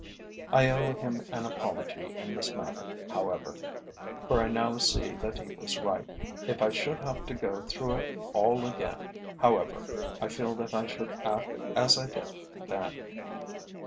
I owe him an apology in this matter, however, for I now see that he was right. If I should have to go through it all again, however, I feel that I should act as I did then.